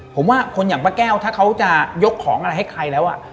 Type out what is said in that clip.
ผมว่าคนอย่างป้าแก้วถ้าเขาจะยกของอะไรให้ใครแล้ว